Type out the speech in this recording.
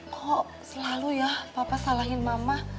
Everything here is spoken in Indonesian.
kok selalu ya papa salahin mama